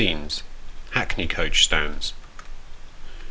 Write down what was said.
HACKNEY COACH STANDS.